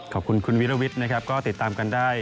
ขอบคุณคุณวิลวิทย์ก็ติดตามกันได้